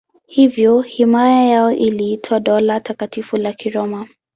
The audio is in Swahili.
Hivyo himaya yao iliitwa Dola Takatifu la Kiroma.